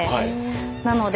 なので。